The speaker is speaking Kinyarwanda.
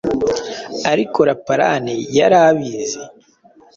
ariko leparan yari abizi